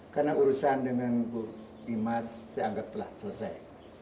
karena urusan dengan bu dimas saya anggap telah selesai